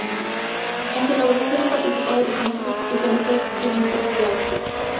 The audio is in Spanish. En su elaboración han participado reconocidos especialistas en la historia del arte.